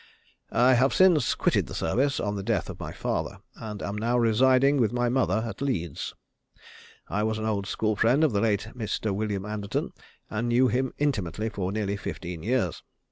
I have since quitted the service, on the death of my father, and am now residing with my mother at Leeds. I was an old school friend of the late Mr. William Anderton, and knew him intimately for nearly fifteen years.